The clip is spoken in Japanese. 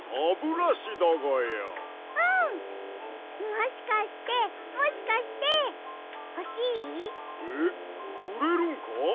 もしかしてもしかしてほしい？えっくれるんか？